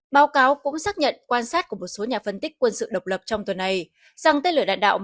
báo cáo cũng xác nhận quan sát của một số nhà phân tích quân sự độc lập trong tuần này rằng tên lửa đạn đạo